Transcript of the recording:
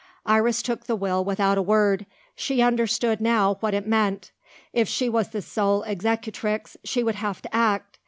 Iris took the will without a word. She understood, now, what it meant. If she was the sole executrix she would have to act.